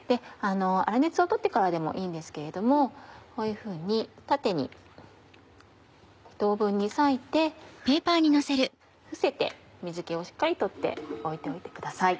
粗熱を取ってからでもいいんですけれどもこういうふうに縦に２等分に割いて伏せて水気をしっかり取って置いておいてください。